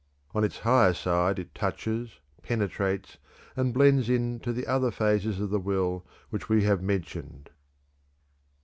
On its higher side it touches, penetrates, and blends into the other phases of the will which we have mentioned.